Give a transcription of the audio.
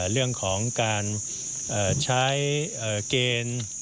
เรื่องของการใช้เกณฑ์